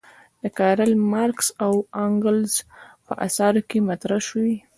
د کارل مارکس او انګلز په اثارو کې مطرح شوې.